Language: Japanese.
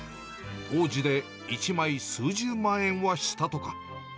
当時で１枚数十万円はしたとか。